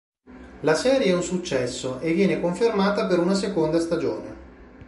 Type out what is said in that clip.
La serie è un successo è viene confermata per una seconda stagione.